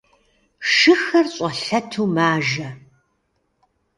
Шыхэр щӀэлъэту мажэ.